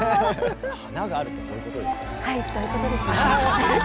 華があるってこういうことですね。